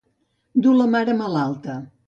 Dur la mare malalta.